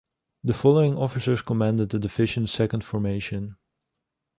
The following officers commanded the division's second formation.